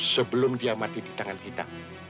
sebelum dia mati di tangan kita